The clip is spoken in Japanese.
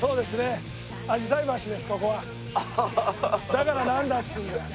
だからなんだっつうんだよ。